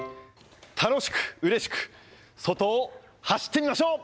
楽しくうれしく、外を走ってみましょう。